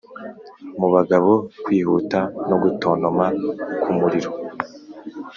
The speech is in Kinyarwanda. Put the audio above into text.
mu bagabo kwihuta no gutontoma k'umuriro